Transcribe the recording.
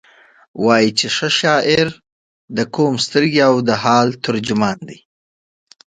وایي چې ښه شاعر د قوم سترګې او د حال ترجمان دی.